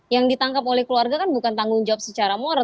yang ditangkap oleh keluarga kan bukan tanggung jawab secara moral